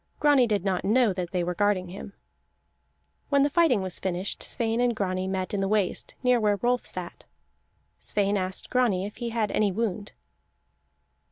Grani did not know that they were guarding him. When the fighting was finished, Sweyn and Grani met in the waist, near where Rolf sat. Sweyn asked Grani if he had any wound.